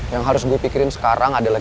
yang harus gue pikirin sekarang adalah